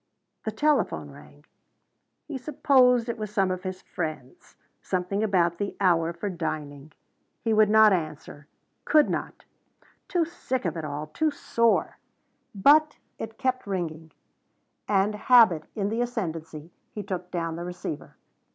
The telephone rang. He supposed it was some of his friends something about the hour for dining. He would not answer. Could not. Too sick of it all too sore. But it kept ringing, and, habit in the ascendency, he took down the receiver.